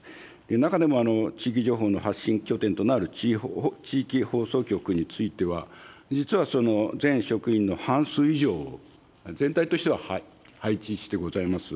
中でも、地域情報の発信拠点となる地域放送局については、実は全職員の半数以上、全体としては配置してございます。